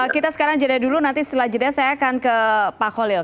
kita sekarang jeda dulu nanti setelah jeda saya akan ke pak holil